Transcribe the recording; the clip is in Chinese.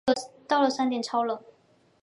到了山顶超冷